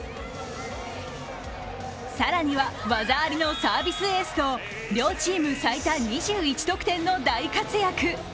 更には技ありのサービスエースと両チーム最多２１得点の大活躍。